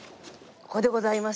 ここでございます。